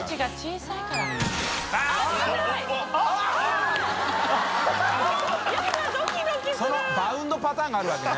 修バウンドパターンがあるわけね。